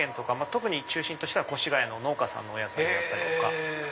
特に中心としては越谷の農家さんのお野菜だったりとか。